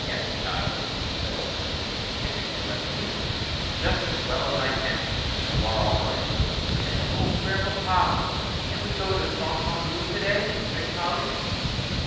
"Yes, child," said old Mr. King, kissing her wet face; "just as well as I can be, since you are all right." "And, oh, Grandpapa, can't we go to Fontainebleau to day?" begged Polly.